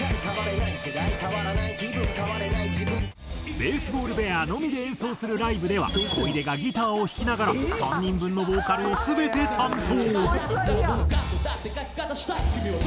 ＢａｓｅＢａｌｌＢｅａｒのみで演奏するライブでは小出がギターを弾きながら３人分のボーカルを全て担当。